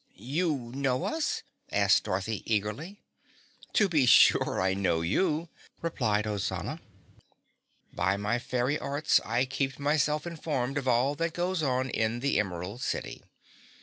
"You know us?" asked Dorothy eagerly. "To be sure, I know you," replied Ozana. "By my fairy arts I keep myself informed of all that goes on in the Emerald City.